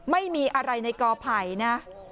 ไม่มีอะไรในกอไผ่นะ